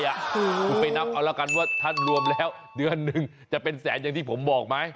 คุณไปนับเอาละกันว่าท่านรวมแล้วเดือนหนึ่งจะเป็นแสนอย่างที่ผมบอกไหม